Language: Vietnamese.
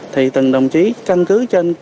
thì từng đồng chí căn cứ trên